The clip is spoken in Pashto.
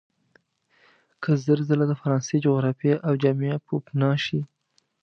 که زر ځله د فرانسې جغرافیه او جامعه پوپناه شي.